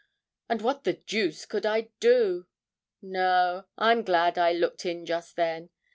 And what the deuce could I do? No, I'm glad I looked in just then.